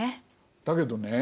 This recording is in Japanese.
だけどね